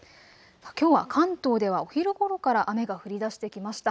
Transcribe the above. きょうは関東ではお昼ごろから雨が降りだしてきました。